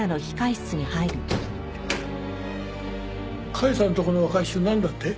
甲斐さんとこの若い衆なんだって？